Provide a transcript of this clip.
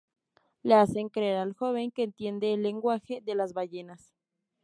Le hacen creer al joven que entiende el lenguaje de las ballenas.